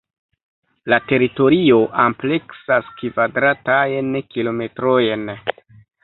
La teritorio ampleksas kvadratajn kilometrojn.